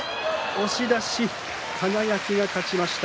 押し出し、輝が勝ちました。